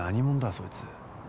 そいつ。